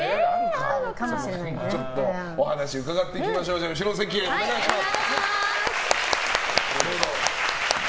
その辺もお話伺っていきましょう後ろの席へお願いします。